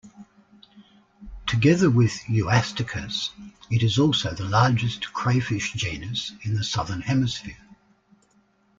Together with "Euastacus", it is also the largest crayfish genus in the Southern Hemisphere.